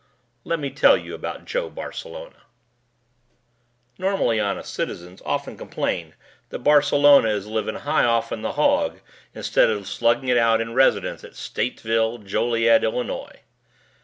Let me tell you about Joe Barcelona. Normally honest citizens often complain that Barcelona is living high off'n the hawg instead of slugging it out in residence at Stateville, Joliet, Illinois.